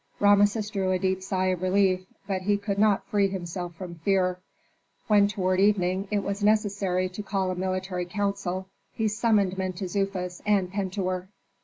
Rameses drew a deep sigh of relief, but he could not free himself from fear. When, toward evening, it was necessary to call a military council, he summoned Mentezufis and Pentuer.